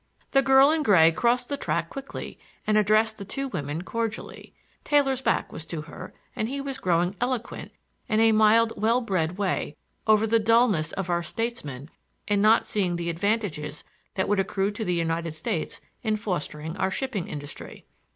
The girl in gray crossed the track quickly and addressed the two women cordially. Taylor's back was to her and he was growing eloquent in a mild well bred way over the dullness of our statesmen in not seeing the advantages that would accrue to the United States in fostering our shipping industry.